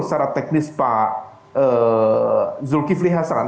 secara teknis pak zulkifli hasan